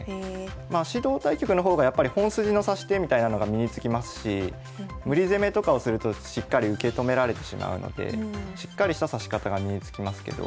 まあ指導対局の方がやっぱり本筋の指し手みたいなのが身につきますし無理攻めとかをするとしっかり受け止められてしまうのでしっかりした指し方が身につきますけど。